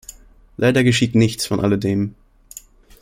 Leider geschieht nichts von alledem.